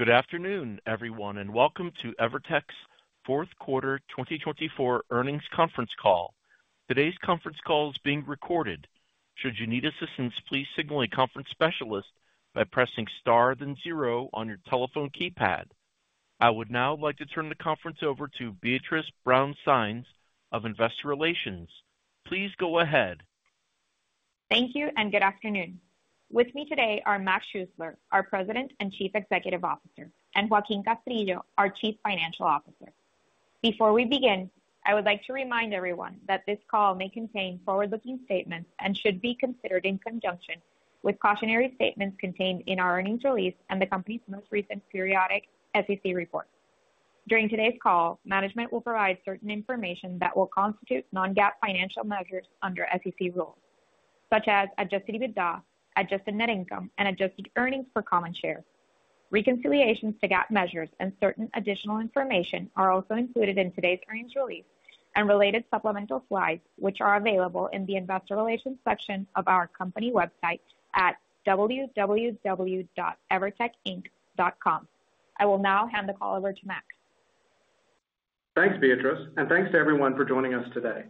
Good afternoon, everyone, and welcome to Evertec's Fourth Quarter 2024 earnings conference call. Today's conference call is being recorded. Should you need assistance, please signal a conference specialist by pressing star then zero on your telephone keypad. I would now like to turn the conference over to Beatriz Brown-Sáenz of Investor Relations. Please go ahead. Thank you, and good afternoon. With me today are Mac Schuessler, our President and Chief Executive Officer, and Joaquín Castrillo, our Chief Financial Officer. Before we begin, I would like to remind everyone that this call may contain forward-looking statements and should be considered in conjunction with cautionary statements contained in our earnings release and the company's most recent periodic SEC report. During today's call, management will provide certain information that will constitute non-GAAP financial measures under SEC rules, such as adjusted EBITDA, adjusted net income, and adjusted earnings per common share. Reconciliations to GAAP measures and certain additional information are also included in today's earnings release and related supplemental slides, which are available in the Investor Relations section of our company website at www.evertecinc.com. I will now hand the call over to Mac. Thanks, Beatriz, and thanks to everyone for joining us today.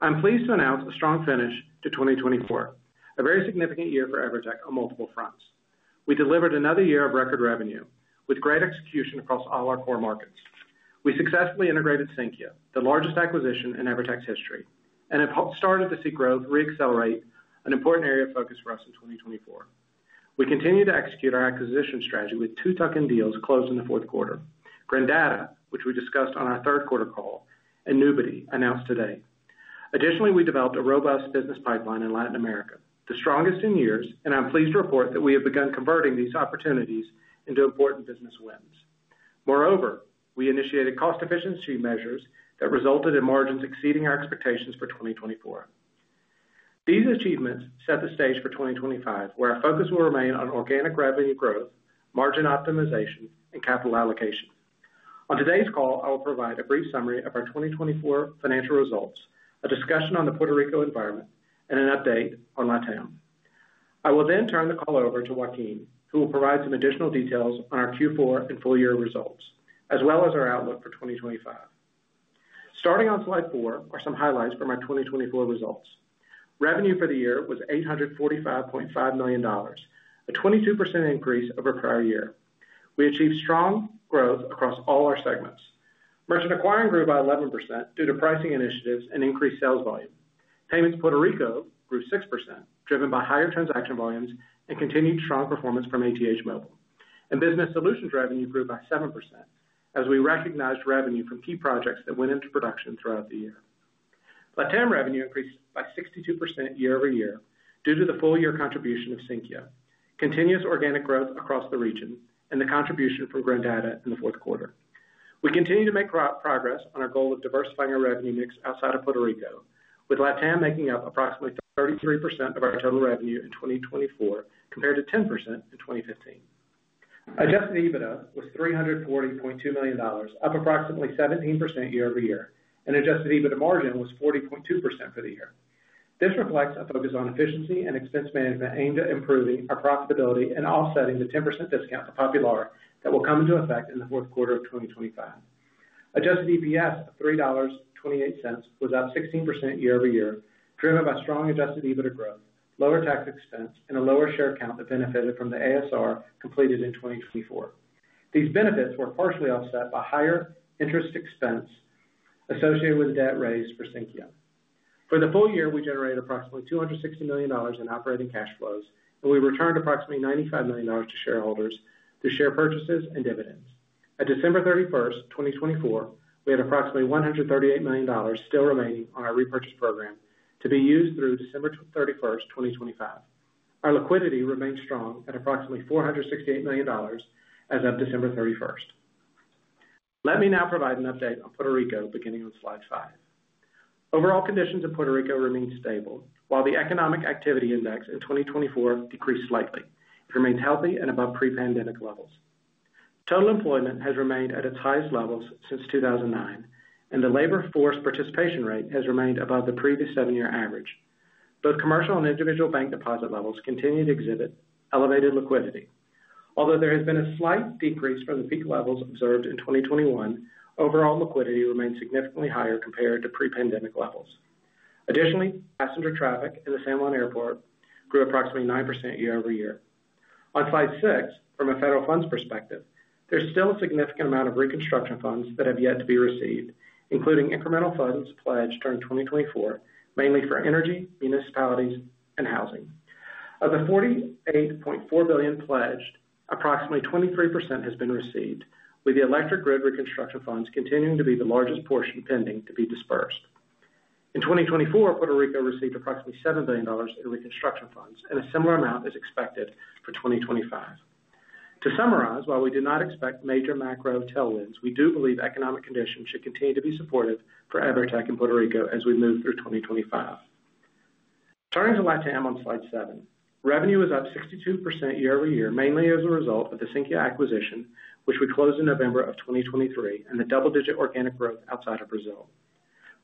I'm pleased to announce a strong finish to 2024, a very significant year for Evertec on multiple fronts. We delivered another year of record revenue with great execution across all our core markets. We successfully integrated Sinqia, the largest acquisition in Evertec's history, and have already started to see growth re-accelerate an important area of focus for us in 2024. We continue to execute our acquisition strategy with two tuck-in deals closed in the fourth quarter: Grandata, which we discussed on our third quarter call, and Nubity, announced today. Additionally, we developed a robust business pipeline in Latin America, the strongest in years, and I'm pleased to report that we have begun converting these opportunities into important business wins. Moreover, we initiated cost efficiency measures that resulted in margins exceeding our expectations for 2024. These achievements set the stage for 2025, where our focus will remain on organic revenue growth, margin optimization, and capital allocation. On today's call, I will provide a brief summary of our 2024 financial results, a discussion on the Puerto Rico environment, and an update on LatAm. I will then turn the call over to Joaquín, who will provide some additional details on our Q4 and full-year results, as well as our outlook for 2025. Starting on slide four are some highlights from our 2024 results. Revenue for the year was $845.5 million, a 22% increase over prior year. We achieved strong growth across all our segments. Merchant Acquiring grew by 11% due to pricing initiatives and increased sales volume. Payments Puerto Rico grew 6%, driven by higher transaction volumes and continued strong performance from ATH Móvil. Business Solutions revenue grew by 7% as we recognized revenue from key projects that went into production throughout the year. LatAm revenue increased by 62% year over year due to the full-year contribution of Sinqia, continuous organic growth across the region, and the contribution from Grandata in the fourth quarter. We continue to make progress on our goal of diversifying our revenue mix outside of Puerto Rico, with LatAm making up approximately 33% of our total revenue in 2024 compared to 10% in 2015. Adjusted EBITDA was $340.2 million, up approximately 17% year over year, and adjusted EBITDA margin was 40.2% for the year. This reflects a focus on efficiency and expense management aimed at improving our profitability and offsetting the 10% discount to Popular that will come into effect in the fourth quarter of 2025. Adjusted EPS of $3.28 was up 16% year over year, driven by strong adjusted EBITDA growth, lower tax expense, and a lower share count that benefited from the ASR completed in 2024. These benefits were partially offset by higher interest expense associated with the debt raised for Sinqia. For the full year, we generated approximately $260 million in operating cash flows, and we returned approximately $95 million to shareholders through share purchases and dividends. At December 31st, 2024, we had approximately $138 million still remaining on our repurchase program to be used through December 31st, 2025. Our liquidity remained strong at approximately $468 million as of December 31st. Let me now provide an update on Puerto Rico beginning on slide five. Overall conditions in Puerto Rico remained stable, while the Economic Activity Index in 2024 decreased slightly. It remains healthy and above pre-pandemic levels. Total employment has remained at its highest levels since 2009, and the labor force participation rate has remained above the previous seven-year average. Both commercial and individual bank deposit levels continue to exhibit elevated liquidity. Although there has been a slight decrease from the peak levels observed in 2021, overall liquidity remained significantly higher compared to pre-pandemic levels. Additionally, passenger traffic in the San Juan Airport grew approximately 9% year over year. On slide six, from a federal funds perspective, there's still a significant amount of reconstruction funds that have yet to be received, including incremental funds pledged during 2024, mainly for energy, municipalities, and housing. Of the $48.4 billion pledged, approximately 23% has been received, with the electric grid reconstruction funds continuing to be the largest portion pending to be dispersed. In 2024, Puerto Rico received approximately $7 billion in reconstruction funds, and a similar amount is expected for 2025. To summarize, while we do not expect major macro tailwinds, we do believe economic conditions should continue to be supportive for Evertec and Puerto Rico as we move through 2025. Turning to LatAm on slide seven, revenue is up 62% year over year, mainly as a result of the Sinqia acquisition, which we closed in November of 2023, and the double-digit organic growth outside of Brazil.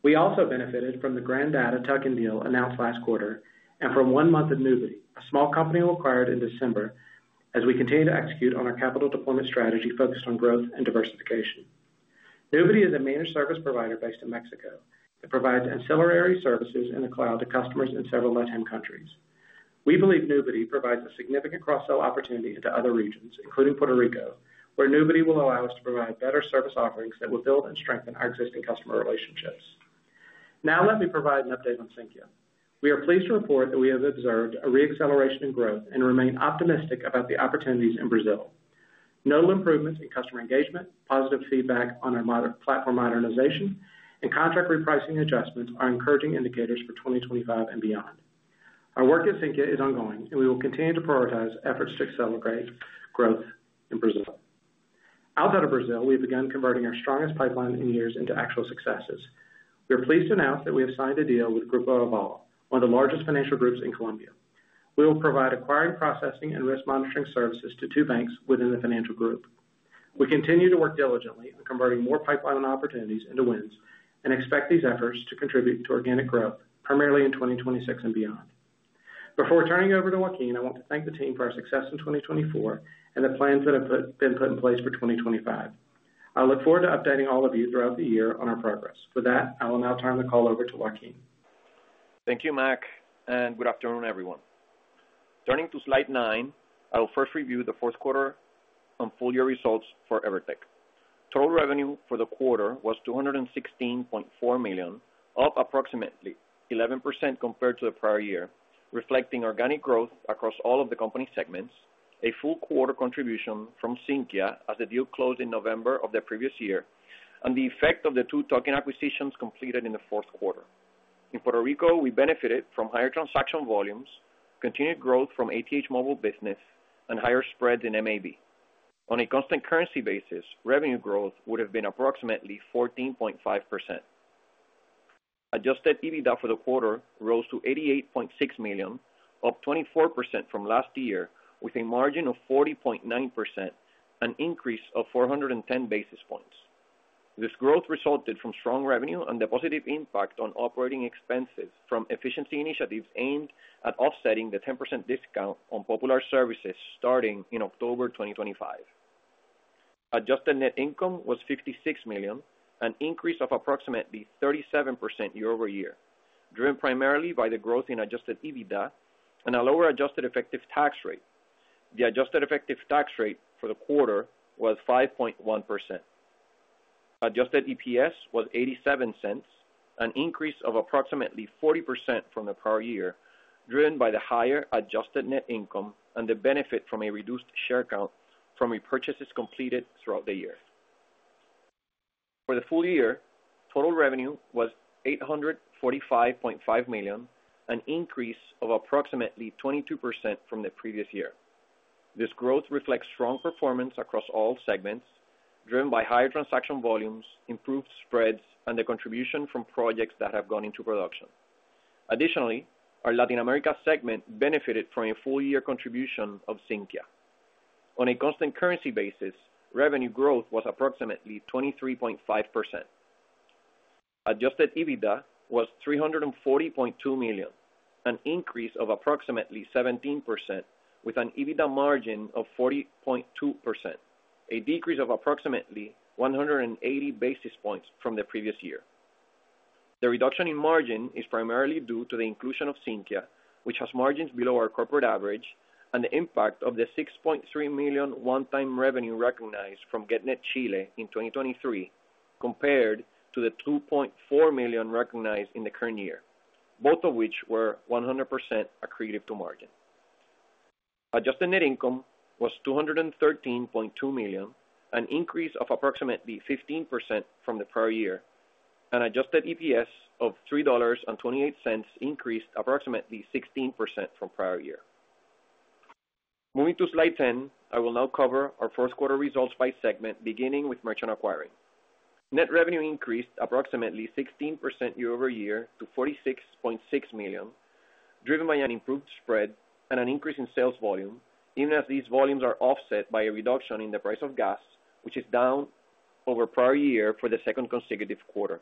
We also benefited from the Grandata tuck-in deal announced last quarter and from one month of Nubity, a small company acquired in December as we continue to execute on our capital deployment strategy focused on growth and diversification. Nubity is a managed service provider based in Mexico that provides ancillary services in the cloud to customers in several LatAm countries. We believe Nubity provides a significant cross-sell opportunity into other regions, including Puerto Rico, where Nubity will allow us to provide better service offerings that will build and strengthen our existing customer relationships. Now, let me provide an update on Sinqia. We are pleased to report that we have observed a re-acceleration in growth and remain optimistic about the opportunities in Brazil. Now, improvements in customer engagement, positive feedback on our platform modernization, and contract repricing adjustments are encouraging indicators for 2025 and beyond. Our work at Sinqia is ongoing, and we will continue to prioritize efforts to accelerate growth in Brazil. Outside of Brazil, we have begun converting our strongest pipeline in years into actual successes. We are pleased to announce that we have signed a deal with Grupo Aval, one of the largest financial groups in Colombia. We will provide acquiring, processing, and risk monitoring services to two banks within the financial group. We continue to work diligently on converting more pipeline opportunities into wins and expect these efforts to contribute to organic growth, primarily in 2026 and beyond. Before turning it over to Joaquín, I want to thank the team for our success in 2024 and the plans that have been put in place for 2025. I look forward to updating all of you throughout the year on our progress. With that, I will now turn the call over to Joaquín. Thank you, Mac, and good afternoon, everyone. Turning to slide nine, I'll first review the fourth quarter and full-year results for Evertec. Total revenue for the quarter was $216.4 million, up approximately 11% compared to the prior year, reflecting organic growth across all of the company segments, a full quarter contribution from Sinqia as the deal closed in November of the previous year, and the effect of the two tuck-in acquisitions completed in the fourth quarter. In Puerto Rico, we benefited from higher transaction volumes, continued growth from ATH Móvil Business, and higher spreads in MAB. On a constant currency basis, revenue growth would have been approximately 14.5%. Adjusted EBITDA for the quarter rose to $88.6 million, up 24% from last year, with a margin of 40.9%, an increase of 410 basis points. This growth resulted from strong revenue and the positive impact on operating expenses from efficiency initiatives aimed at offsetting the 10% discount on Popular services starting in October 2025. Adjusted net income was $56 million, an increase of approximately 37% year over year, driven primarily by the growth in Adjusted EBITDA and a lower adjusted effective tax rate. The adjusted effective tax rate for the quarter was 5.1%. Adjusted EPS was $0.87, an increase of approximately 40% from the prior year, driven by the higher adjusted net income and the benefit from a reduced share count from repurchases completed throughout the year. For the full year, total revenue was $845.5 million, an increase of approximately 22% from the previous year. This growth reflects strong performance across all segments, driven by higher transaction volumes, improved spreads, and the contribution from projects that have gone into production. Additionally, our Latin America segment benefited from a full-year contribution of Sinqia. On a constant currency basis, revenue growth was approximately 23.5%. Adjusted EBITDA was $340.2 million, an increase of approximately 17%, with an EBITDA margin of 40.2%, a decrease of approximately 180 basis points from the previous year. The reduction in margin is primarily due to the inclusion of Sinqia, which has margins below our corporate average, and the impact of the $6.3 million one-time revenue recognized from Getnet Chile in 2023 compared to the $2.4 million recognized in the current year, both of which were 100% accretive to margin. Adjusted net income was $213.2 million, an increase of approximately 15% from the prior year, and adjusted EPS of $3.28 increased approximately 16% from prior year. Moving to slide 10, I will now cover our fourth quarter results by segment, beginning with Merchant Acquiring. Net revenue increased approximately 16% year over year to $46.6 million, driven by an improved spread and an increase in sales volume, even as these volumes are offset by a reduction in the price of gas, which is down over prior year for the second consecutive quarter.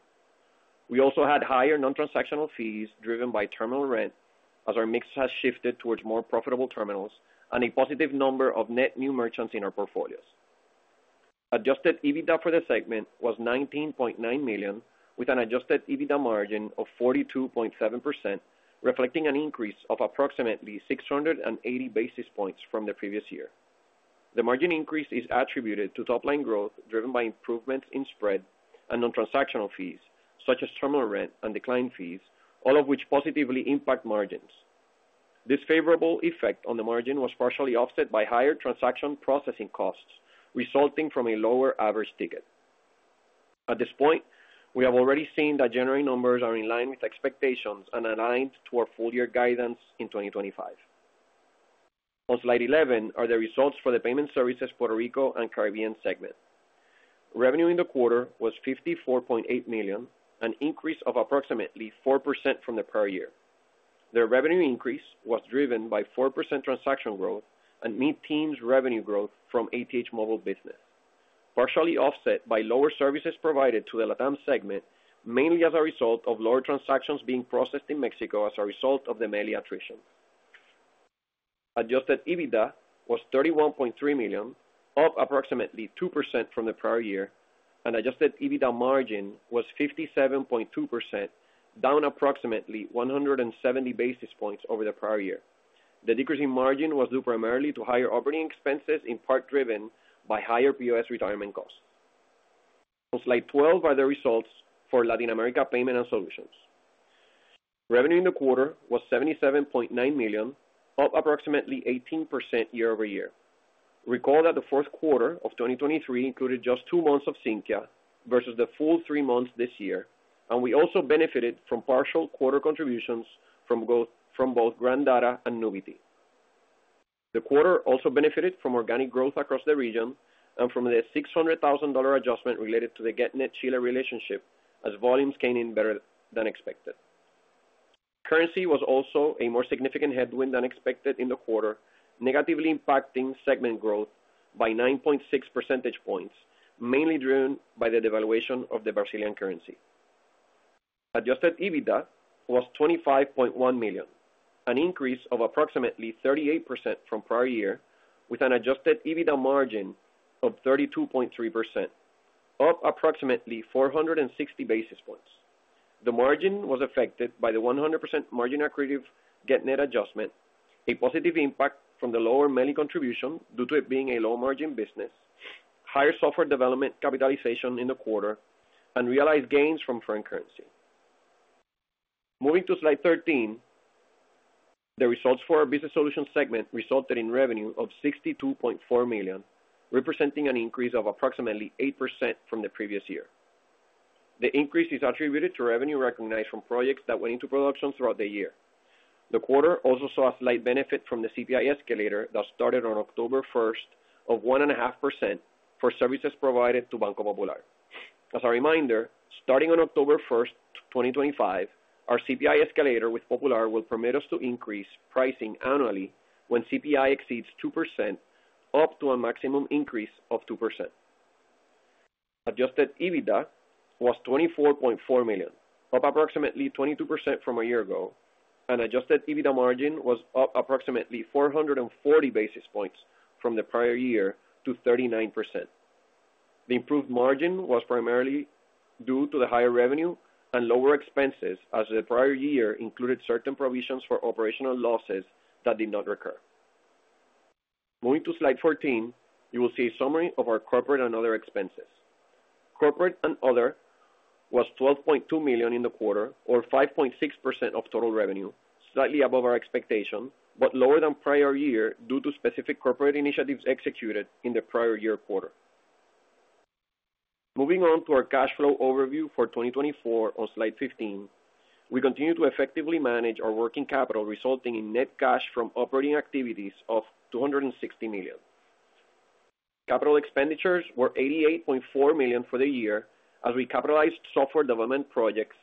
We also had higher non-transactional fees driven by terminal rent as our mix has shifted towards more profitable terminals and a positive number of net new merchants in our portfolios. Adjusted EBITDA for the segment was $19.9 million, with an adjusted EBITDA margin of 42.7%, reflecting an increase of approximately 680 basis points from the previous year. The margin increase is attributed to top-line growth driven by improvements in spread and non-transactional fees such as terminal rent and decline fees, all of which positively impact margins. This favorable effect on the margin was partially offset by higher transaction processing costs resulting from a lower average ticket. At this point, we have already seen that generating numbers are in line with expectations and aligned to our full-year guidance in 2025. On slide 11 are the results for the Payment Services Puerto Rico and Caribbean segment. Revenue in the quarter was $54.8 million, an increase of approximately 4% from the prior year. The revenue increase was driven by 4% transaction growth and mid-teens revenue growth from ATH Móvil Business, partially offset by lower services provided to the LatAm segment, mainly as a result of lower transactions being processed in Mexico as a result of the MELI attrition. Adjusted EBITDA was $31.3 million, up approximately 2% from the prior year, and adjusted EBITDA margin was 57.2%, down approximately 170 basis points over the prior year. The decrease in margin was due primarily to higher operating expenses in part driven by higher POS retirement costs. On slide 12 are the results for Latin America Payment and Solutions. Revenue in the quarter was $77.9 million, up approximately 18% year over year. Recall that the fourth quarter of 2023 included just two months of Sinqia versus the full three months this year, and we also benefited from partial quarter contributions from both Grandata and Nubity. The quarter also benefited from organic growth across the region and from the $600,000 adjustment related to the Getnet Chile relationship as volumes came in better than expected. Currency was also a more significant headwind than expected in the quarter, negatively impacting segment growth by 9.6 percentage points, mainly driven by the devaluation of the Brazilian currency. Adjusted EBITDA was $25.1 million, an increase of approximately 38% from prior year, with an adjusted EBITDA margin of 32.3%, up approximately 460 basis points. The margin was affected by the 100% margin accretive Getnet adjustment, a positive impact from the lower MELI contribution due to it being a low-margin business, higher software development capitalization in the quarter, and realized gains from foreign currency. Moving to slide 13, the results for our Business Solution segment resulted in revenue of $62.4 million, representing an increase of approximately 8% from the previous year. The increase is attributed to revenue recognized from projects that went into production throughout the year. The quarter also saw a slight benefit from the CPI escalator that started on October 1st of 1.5% for services provided to Banco Popular. As a reminder, starting on October 1st, 2025, our CPI escalator with Popular will permit us to increase pricing annually when CPI exceeds 2%, up to a maximum increase of 2%. Adjusted EBITDA was $24.4 million, up approximately 22% from a year ago, and adjusted EBITDA margin was up approximately 440 basis points from the prior year to 39%. The improved margin was primarily due to the higher revenue and lower expenses as the prior year included certain provisions for operational losses that did not recur. Moving to slide 14, you will see a summary of our corporate and other expenses. Corporate and other was $12.2 million in the quarter, or 5.6% of total revenue, slightly above our expectation, but lower than prior year due to specific corporate initiatives executed in the prior year quarter. Moving on to our cash flow overview for 2024 on slide 15, we continue to effectively manage our working capital, resulting in net cash from operating activities of $260 million. Capital expenditures were $88.4 million for the year as we capitalized software development projects,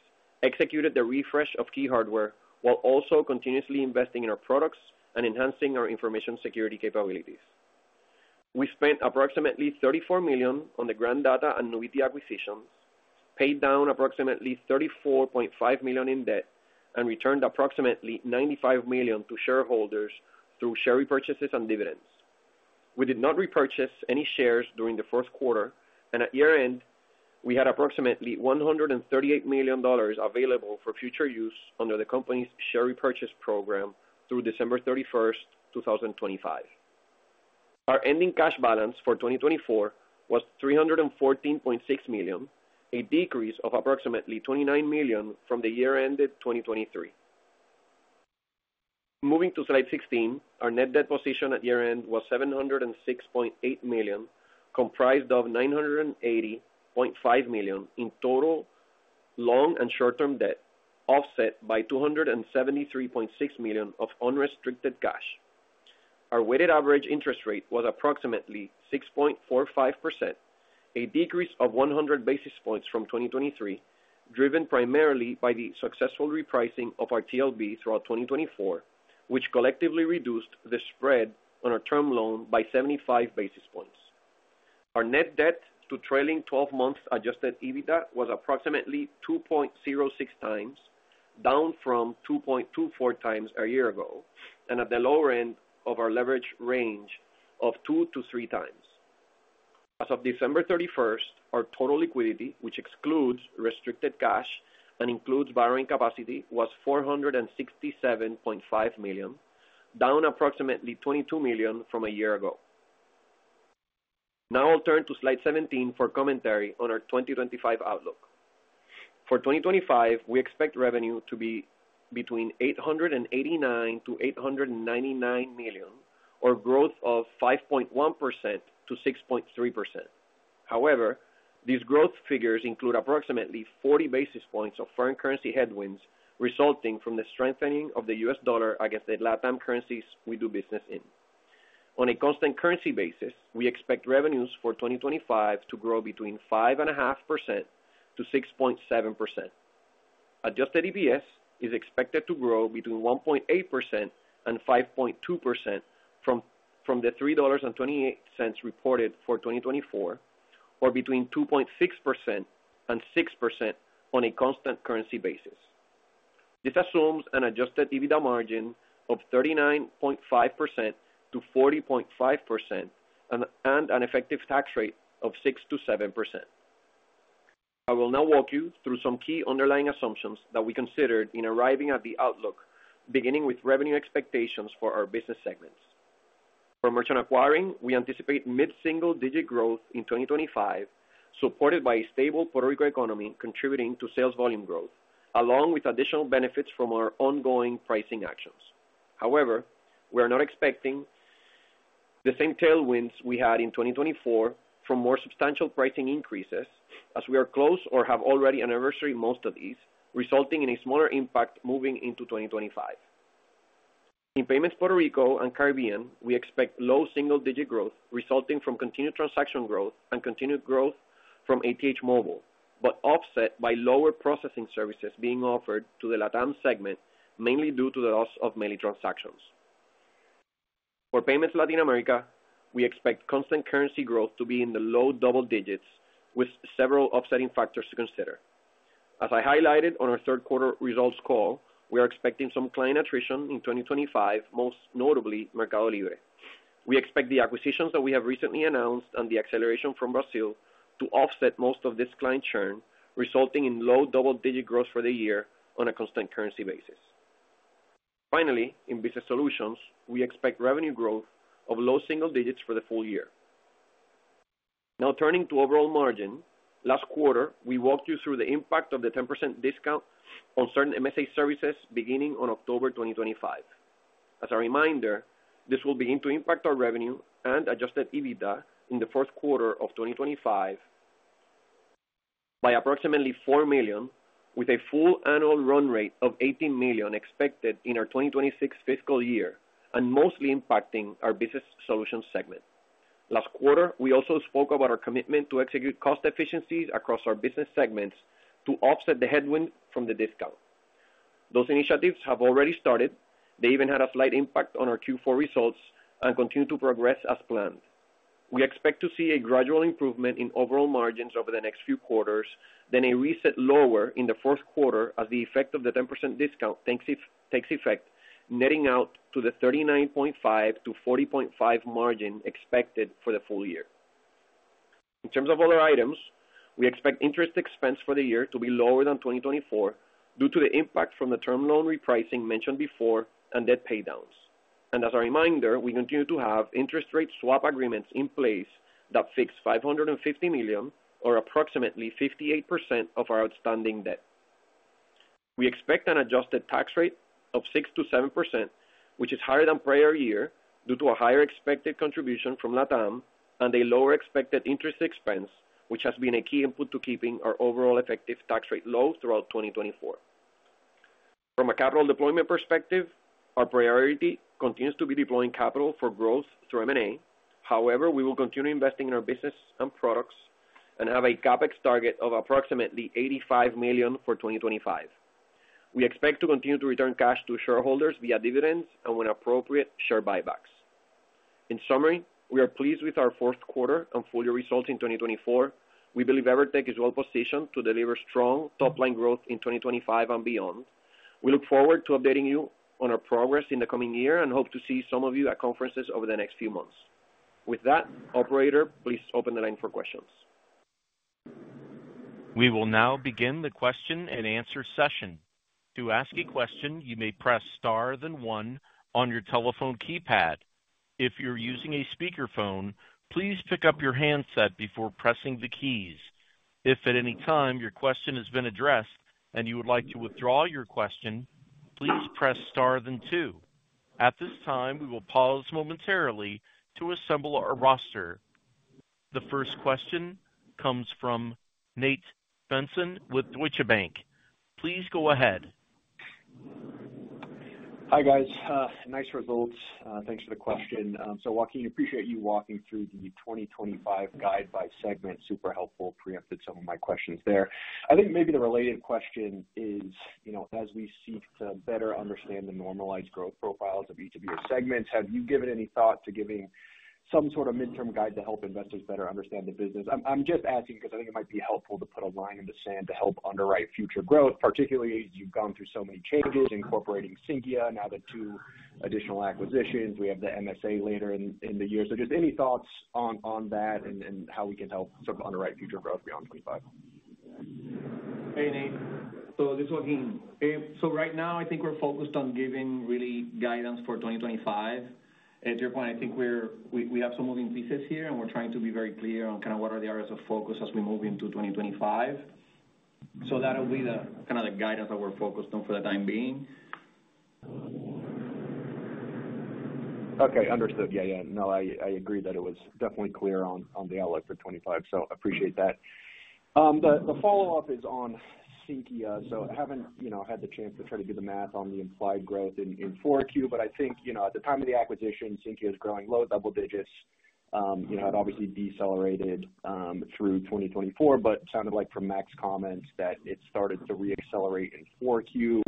executed the refresh of key hardware, while also continuously investing in our products and enhancing our information security capabilities. We spent approximately $34 million on the Grandata and Nubity acquisitions, paid down approximately $34.5 million in debt, and returned approximately $95 million to shareholders through share repurchases and dividends. We did not repurchase any shares during the fourth quarter, and at year-end, we had approximately $138 million available for future use under the company's share repurchase program through December 31st, 2025. Our ending cash balance for 2024 was $314.6 million, a decrease of approximately $29 million from the year-end 2023. Moving to slide 16, our net debt position at year-end was $706.8 million, comprised of $980.5 million in total long and short-term debt, offset by $273.6 million of unrestricted cash. Our weighted average interest rate was approximately 6.45%, a decrease of 100 basis points from 2023, driven primarily by the successful repricing of our TLB throughout 2024, which collectively reduced the spread on our term loan by 75 basis points. Our net debt to trailing 12-month adjusted EBITDA was approximately 2.06 times, down from 2.24 times a year ago, and at the lower end of our leverage range of 2 to 3 times. As of December 31st, our total liquidity, which excludes restricted cash and includes borrowing capacity, was $467.5 million, down approximately $22 million from a year ago. Now I'll turn to slide 17 for commentary on our 2025 outlook. For 2025, we expect revenue to be between $889-$899 million, or growth of 5.1%-6.3%. However, these growth figures include approximately 40 basis points of foreign currency headwinds resulting from the strengthening of the U.S. dollar against the LatAm currencies we do business in. On a constant currency basis, we expect revenues for 2025 to grow between 5.5%-6.7%. Adjusted EPS is expected to grow between 1.8% and 5.2% from the $3.28 reported for 2024, or between 2.6% and 6% on a constant currency basis. This assumes an Adjusted EBITDA margin of 39.5%-40.5% and an effective tax rate of 6%-7%. I will now walk you through some key underlying assumptions that we considered in arriving at the outlook, beginning with revenue expectations for our business segments. For Merchant Acquiring, we anticipate mid-single-digit growth in 2025, supported by a stable Puerto Rico economy contributing to sales volume growth, along with additional benefits from our ongoing pricing actions. However, we are not expecting the same tailwinds we had in 2024 from more substantial pricing increases, as we are close or have already anniversaried most of these, resulting in a smaller impact moving into 2025. In Payments Puerto Rico and Caribbean, we expect low single-digit growth resulting from continued transaction growth and continued growth from ATH Móvil, but offset by lower processing services being offered to the LatAm segment, mainly due to the loss of MELI transactions. For Payments Latin America, we expect constant currency growth to be in the low double digits, with several offsetting factors to consider. As I highlighted on our third quarter results call, we are expecting some client attrition in 2025, most notably Mercado Libre. We expect the acquisitions that we have recently announced and the acceleration from Brazil to offset most of this client churn, resulting in low double-digit growth for the year on a constant currency basis. Finally, in Business Solutions, we expect revenue growth of low single digits for the full year. Now turning to overall margin, last quarter, we walked you through the impact of the 10% discount on certain MSA services beginning on October 2025. As a reminder, this will begin to impact our revenue and Adjusted EBITDA in the fourth quarter of 2025 by approximately $4 million, with a full annual run rate of $18 million expected in our 2026 fiscal year and mostly impacting our Business Solution segment. Last quarter, we also spoke about our commitment to execute cost efficiencies across our business segments to offset the headwind from the discount. Those initiatives have already started. They even had a slight impact on our Q4 results and continue to progress as planned. We expect to see a gradual improvement in overall margins over the next few quarters, then a reset lower in the fourth quarter as the effect of the 10% discount takes effect, netting out to the $39.5-$40.5 margin expected for the full year. In terms of other items, we expect interest expense for the year to be lower than 2024 due to the impact from the term loan repricing mentioned before and debt paydowns. And as a reminder, we continue to have interest rate swap agreements in place that fix $550 million, or approximately 58% of our outstanding debt. We expect an adjusted tax rate of 6%-7%, which is higher than prior year due to a higher expected contribution from LatAm and a lower expected interest expense, which has been a key input to keeping our overall effective tax rate low throughout 2024. From a capital deployment perspective, our priority continues to be deploying capital for growth through M&A. However, we will continue investing in our business and products and have a CapEx target of approximately $85 million for 2025. We expect to continue to return cash to shareholders via dividends and when appropriate, share buybacks. In summary, we are pleased with our fourth quarter and full-year results in 2024. We believe Evertec is well positioned to deliver strong top-line growth in 2025 and beyond. We look forward to updating you on our progress in the coming year and hope to see some of you at conferences over the next few months. With that, Operator, please open the line for questions. We will now begin the question and answer session. To ask a question, you may press star then one on your telephone keypad. If you're using a speakerphone, please pick up your handset before pressing the keys. If at any time your question has been addressed and you would like to withdraw your question, please press star then two. At this time, we will pause momentarily to assemble our roster. The first question comes from Nate Svensson with Deutsche Bank. Please go ahead. Hi guys. Nice results. Thanks for the question. So Joaquín, we appreciate you walking through the 2025 guide by segment. Super helpful. Preempted some of my questions there. I think maybe the related question is, you know, as we seek to better understand the normalized growth profiles of each of your segments, have you given any thought to giving some sort of midterm guide to help investors better understand the business? I'm just asking because I think it might be helpful to put a line in the sand to help underwrite future growth, particularly as you've gone through so many changes incorporating Sinqia, now the two additional acquisitions. We have the MSA later in the year. So just any thoughts on that and how we can help sort of underwrite future growth beyond 2025? Hey, Nate. So this is Joaquín. So right now, I think we're focused on giving really guidance for 2025. At this point, I think we have some moving pieces here, and we're trying to be very clear on kind of what are the areas of focus as we move into 2025. So that'll be the kind of the guidance that we're focused on for the time being. Okay, understood. Yeah, yeah. No, I agree that it was definitely clear on the outlook for 2025, so I appreciate that. The follow-up is on Sinqia. So I haven't had the chance to try to do the math on the implied growth in 4Q, but I think, you know, at the time of the acquisition, Sinqia was growing low double digits. You know, it obviously decelerated through 2024, but it sounded like from Mac's comments that it started to re-accelerate in 4Q.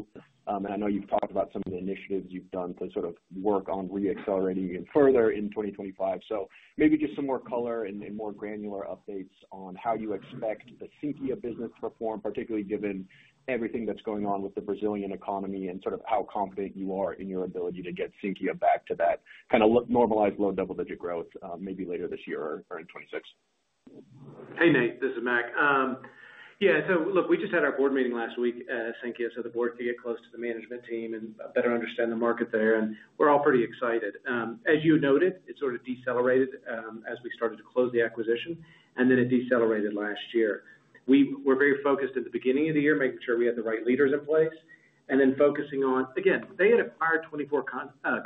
I know you've talked about some of the initiatives you've done to sort of work on re-accelerating even further in 2025. So maybe just some more color and more granular updates on how you expect the Sinqia business to perform, particularly given everything that's going on with the Brazilian economy and sort of how confident you are in your ability to get Sinqia back to that kind of normalized low double-digit growth maybe later this year or in 2026. Hey, Nate. This is Mac. Yeah, so look, we just had our board meeting last week at Sinqia so the board could get close to the management team and better understand the market there. And we're all pretty excited. As you noted, it sort of decelerated as we started to close the acquisition, and then it decelerated last year. We were very focused at the beginning of the year, making sure we had the right leaders in place, and then focusing on, again, they had acquired 24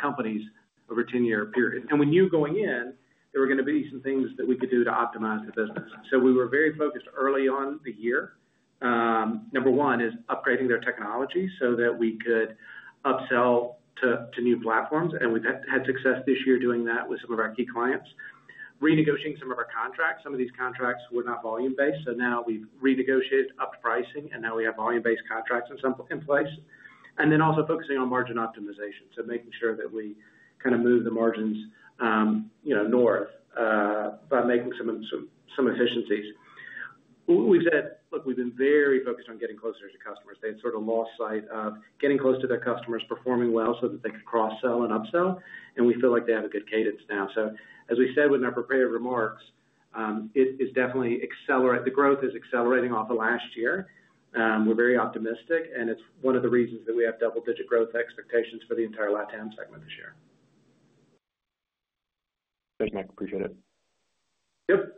companies over a 10-year period, and we knew going in there were going to be some things that we could do to optimize the business, so we were very focused early on the year. Number one is upgrading their technology so that we could upsell to new platforms, and we've had success this year doing that with some of our key clients, renegotiating some of our contracts. Some of these contracts were not volume-based, so now we've renegotiated up pricing, and now we have volume-based contracts in place, and then also focusing on margin optimization, so making sure that we kind of move the margins, you know, north by making some efficiencies. We've said, look, we've been very focused on getting closer to customers. They had sort of lost sight of getting close to their customers, performing well so that they could cross-sell and upsell, and we feel like they have a good cadence now. So as we said with our prepared remarks, it is definitely accelerate. The growth is accelerating off of last year. We're very optimistic, and it's one of the reasons that we have double-digit growth expectations for the entire LatAm segment this year. Thanks, Mac. Appreciate it. Yep.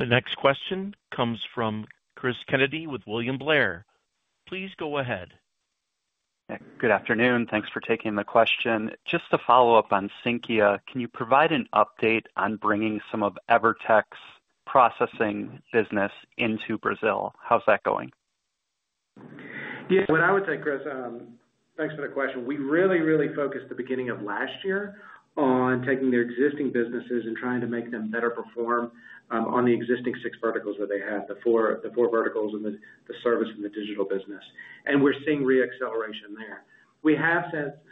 The next question comes from Chris Kennedy with William Blair. Please go ahead. Good afternoon. Thanks for taking the question. Just to follow up on Sinqia, can you provide an update on bringing some of Evertec's processing business into Brazil? How's that going? Yeah, what I would say, Cris, thanks for the question. We really, really focused the beginning of last year on taking their existing businesses and trying to make them better perform on the existing six verticals that they had, the four verticals and the service and the digital business. And we're seeing re-acceleration there. We have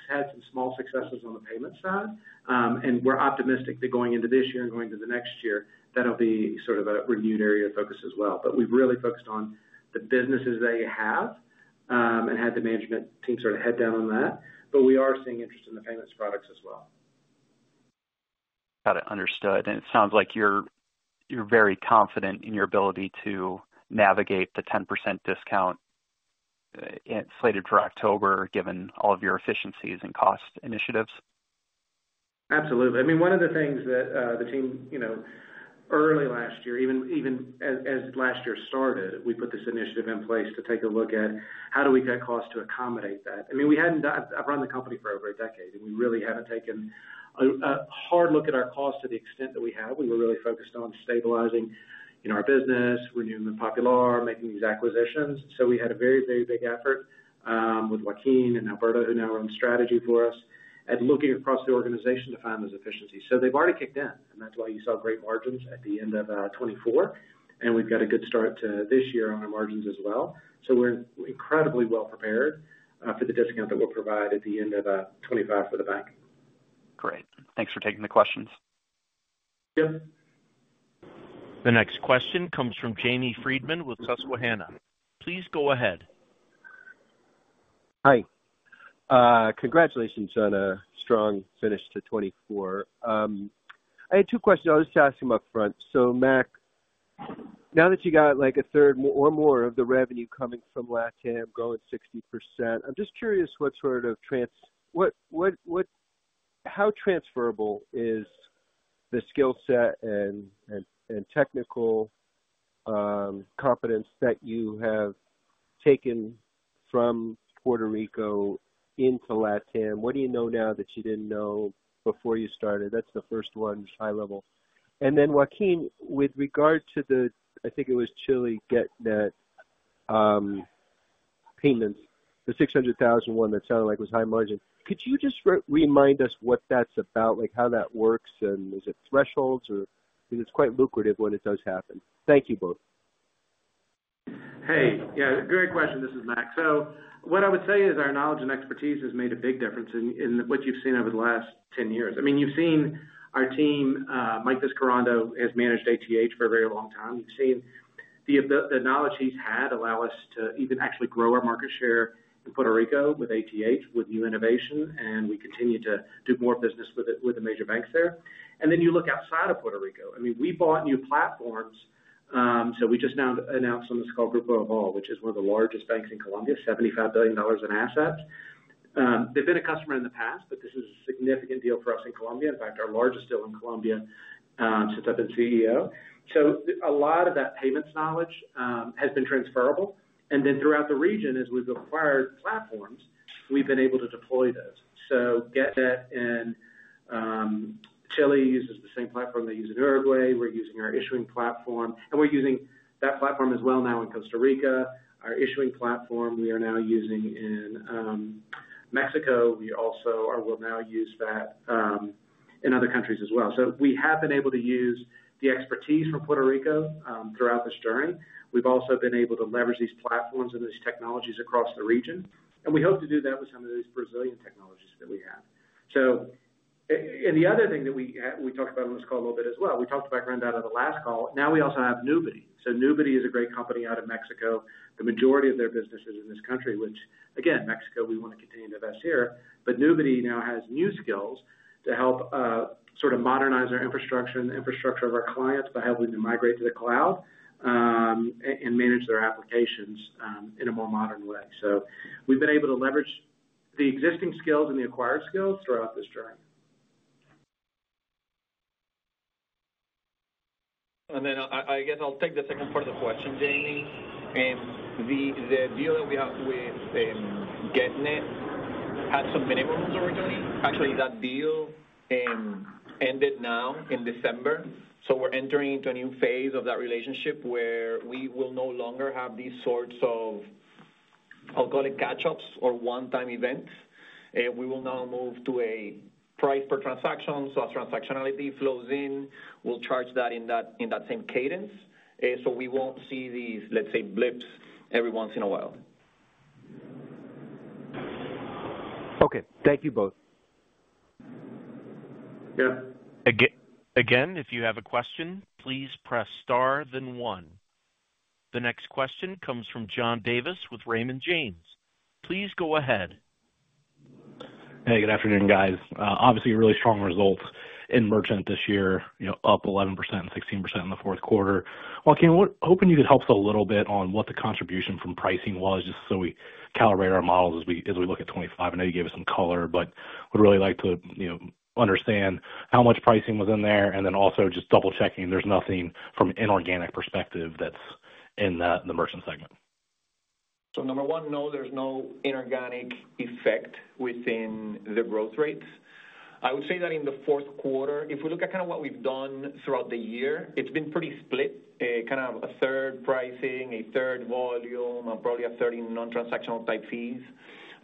had some small successes on the payment side, and we're optimistic that going into this year and going into the next year, that'll be sort of a renewed area of focus as well. But we've really focused on the businesses they have and had the management team sort of head down on that. But we are seeing interest in the payments products as well. Got it. Understood. And it sounds like you're very confident in your ability to navigate the 10% discount slated for October, given all of your efficiencies and cost initiatives. Absolutely. I mean, one of the things that the team, you know, early last year, even as last year started, we put this initiative in place to take a look at how do we cut costs to accommodate that. I mean, we hadn't done it. I've run the company for over a decade, and we really haven't taken a hard look at our costs to the extent that we have. We were really focused on stabilizing our business, renewing the Popular, making these acquisitions. We had a very, very big effort with Joaquín and Alberto, who now run strategy for us, and looking across the organization to find those efficiencies. They've already kicked in, and that's why you saw great margins at the end of 2024. We've got a good start to this year on our margins as well. So we're incredibly well prepared for the discount that we'll provide at the end of 2025 for the bank. Great. Thanks for taking the questions. Yep. The next question comes from Jamie Friedman with Susquehanna. Please go ahead. Hi. Congratulations on a strong finish to 2024. I had two questions. I'll just ask them upfront. So Mac, now that you got like a third or more of the revenue coming from LatAm growing 60%, I'm just curious what sort of how transferable is the skill set and technical competence that you have taken from Puerto Rico into LatAm? What do you know now that you didn't know before you started? That's the first one, high level. And then Joaquín, with regard to the, I think it was Chile Getnet payments, the $600,000 one that sounded like was high margin. Could you just remind us what that's about, like how that works, and is it thresholds or because it's quite lucrative when it does happen? Thank you both. Hey, yeah, great question. This is Mac. So what I would say is our knowledge and expertise has made a big difference in what you've seen over the last 10 years. I mean, you've seen our team, Mike Vizcarrondo, has managed ATH for a very long time. You've seen the knowledge he's had allow us to even actually grow our market share in Puerto Rico with ATH, with new innovation, and we continue to do more business with the major banks there. And then you look outside of Puerto Rico. I mean, we bought new platforms. So we just announced with Grupo Aval, which is one of the largest banks in Colombia, $75 billion in assets. They've been a customer in the past, but this is a significant deal for us in Colombia. In fact, our largest deal in Colombia since I've been CEO. So a lot of that payments knowledge has been transferable. And then throughout the region, as we've acquired platforms, we've been able to deploy those. So Getnet in Chile uses the same platform they use in Uruguay. We're using our issuing platform, and we're using that platform as well now in Costa Rica. Our issuing platform we are now using in Mexico. We also will now use that in other countries as well. So we have been able to use the expertise from Puerto Rico throughout this journey. We've also been able to leverage these platforms and these technologies across the region. And we hope to do that with some of these Brazilian technologies that we have. So the other thing that we talked about on this call a little bit as well, we talked about Grandata the last call. Now we also have Nubity. So Nubity is a great company out of Mexico. The majority of their business is in this country, which, again, Mexico, we want to continue to invest here. But Nubity now has new skills to help sort of modernize our infrastructure and the infrastructure of our clients by helping them migrate to the cloud and manage their applications in a more modern way. So we've been able to leverage the existing skills and the acquired skills throughout this journey. And then I guess I'll take the second part of the question, Jamie. The deal that we have with Getnet had some minimums originally. Actually, that deal ended now in December. So we're entering into a new phase of that relationship where we will no longer have these sorts of, I'll call it catch-ups or one-time events. We will now move to a price per transaction. So as transactionality flows in, we'll charge that in that same cadence. So we won't see these, let's say, blips every once in a while. Okay. Thank you both. Yep. Again, if you have a question, please press star then one. The next question comes from John Davis with Raymond James. Please go ahead. Hey, good afternoon, guys. Obviously, a really strong result in merchant this year, you know, up 11% and 16% in the fourth quarter. Joaquín, we're hoping you could help us a little bit on what the contribution from pricing was just so we calibrate our models as we look at 2025. I know you gave us some color, but we'd really like to understand how much pricing was in there and then also just double-checking there's nothing from an inorganic perspective that's in the merchant segment. So number one, no, there's no inorganic effect within the growth rates. I would say that in the fourth quarter, if we look at kind of what we've done throughout the year, it's been pretty split, kind of a third pricing, a third volume, and probably a third in non-transactional type fees.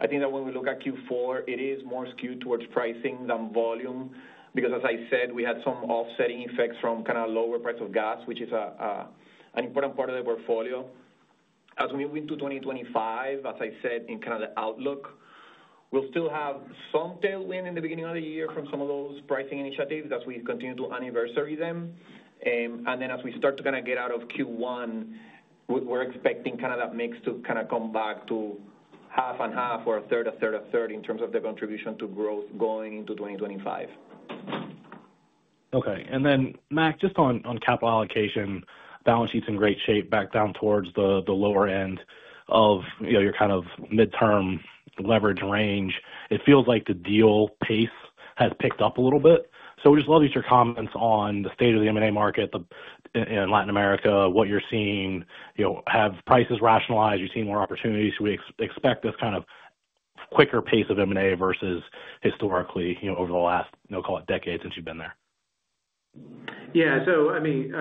I think that when we look at Q4, it is more skewed towards pricing than volume because, as I said, we had some offsetting effects from kind of lower price of gas, which is an important part of the portfolio. As we move into 2025, as I said, in kind of the outlook, we'll still have some tailwind in the beginning of the year from some of those pricing initiatives as we continue to anniversary them. And then as we start to kind of get out of Q1, we're expecting kind of that mix to kind of come back to half and half or a third, a third, a third in terms of the contribution to growth going into 2025. Okay. And then, Mac, just on capital allocation, balance sheet's in great shape back down towards the lower end of your kind of midterm leverage range. It feels like the deal pace has picked up a little bit. So we'd just love to get your comments on the state of the M&A market in Latin America, what you're seeing. Have prices rationalized? You've seen more opportunities. We expect this kind of quicker pace of M&A versus historically over the last. I'll call it decade since you've been there. Yeah. So I mean,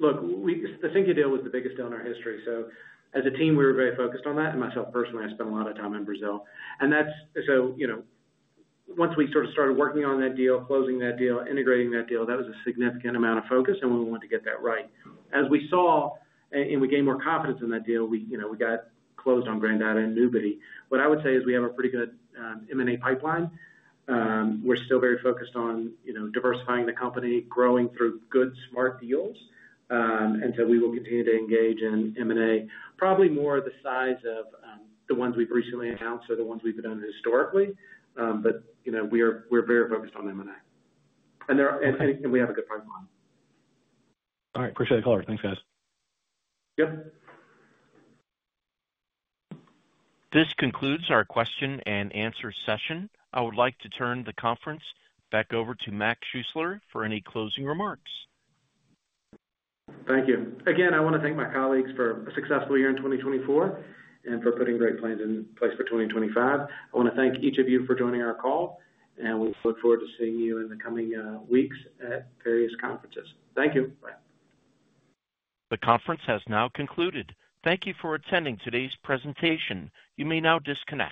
look, the Sinqia deal was the biggest deal in our history. So as a team, we were very focused on that. And myself personally, I spent a lot of time in Brazil. And that's so, you know, once we sort of started working on that deal, closing that deal, integrating that deal, that was a significant amount of focus, and we wanted to get that right. As we saw and we gained more confidence in that deal, we got closed on Grandata and Nubity. What I would say is we have a pretty good M&A pipeline. We're still very focused on diversifying the company, growing through good, smart deals. And so we will continue to engage in M&A, probably more of the size of the ones we've recently announced or the ones we've been doing historically. But we're very focused on M&A. And we have a good pipeline. All right. Appreciate the call. Thanks, guys. Yep. This concludes our question and answer session. I would like to turn the conference back over to Mac Schuessler for any closing remarks. Thank you. Again, I want to thank my colleagues for a successful year in 2024 and for putting great plans in place for 2025. I want to thank each of you for joining our call, and we look forward to seeing you in the coming weeks at various conferences. Thank you. Bye. The conference has now concluded. Thank you for attending today's presentation. You may now disconnect.